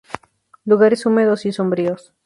Lugares húmedos y sombríos.